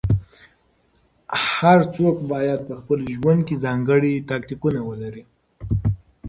هر څوک بايد په خپل ژوند کې ځانګړي تاکتيکونه ولري.